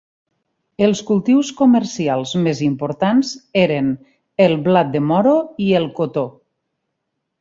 Els cultius comercials més importants eren el blat de moro i el cotó.